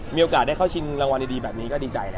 มีโอกาสได้เข้าชิงรางวัลดีแบบนี้ก็ดีใจแล้ว